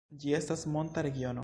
Ĝi estas monta regiono.